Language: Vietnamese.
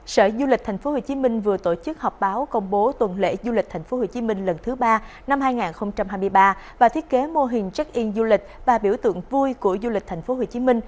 sở du lịch tp hcm vừa tổ chức họp báo công bố tuần lễ du lịch tp hcm lần thứ ba năm hai nghìn hai mươi ba và thiết kế mô hình check in du lịch và biểu tượng vui của du lịch tp hcm